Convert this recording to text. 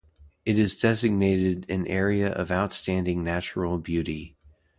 It is designated an Area of Outstanding Natural Beauty.